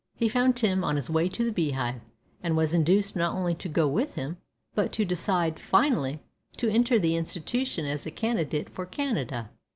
He found Tim on his way to the Beehive, and was induced not only to go with him, but to decide, finally, to enter the Institution as a candidate for Canada.